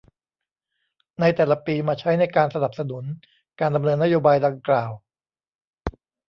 ในแต่ละปีมาใช้ในการสนับสนุนการดำเนินนโยบายดังกล่าว